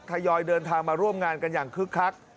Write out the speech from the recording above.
ยอยเดินทางมาร่วมงานกันอย่างคึกคัก